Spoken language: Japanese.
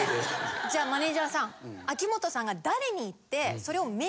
じゃあマネジャーさん秋元さんが。